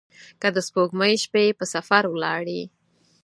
که د سپوږمۍ شپې په سفر ولاړي